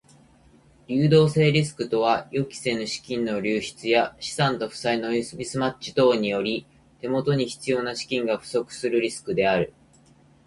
流動性リスクとは予期せぬ資金の流出や資産と負債のミスマッチ等により手元に必要な資金が不足するリスクである。